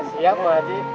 siap bang aji